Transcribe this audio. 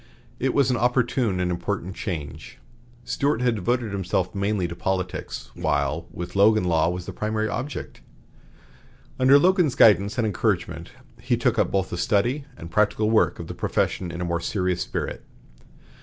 It was an opportune and important change. Stuart had devoted himself mainly to politics, while with Logan law was the primary object. Under Logan's guidance and encouragement, he took up both the study and practical work of the profession in a more serious spirit.